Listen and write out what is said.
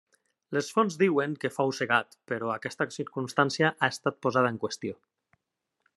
Les fonts diuen que fou cegat però aquesta circumstància ha estat posada en qüestió.